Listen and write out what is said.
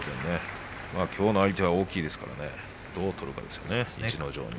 きょうの相手大きいですからねどう取るかですよね、逸ノ城に。